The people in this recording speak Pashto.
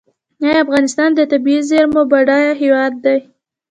آیا افغانستان د طبیعي زیرمو بډایه هیواد دی؟